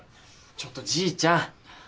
ちょっとじいちゃん。